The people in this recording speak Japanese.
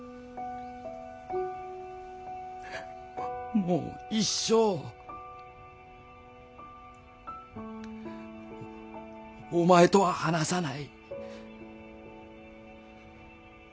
もう一生お前とは話さない。